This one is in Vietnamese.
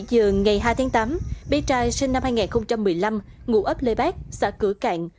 bảy h ngày hai tháng tám bé trai sinh năm hai nghìn một mươi năm ngủ ấp lê bác xã cửa cạn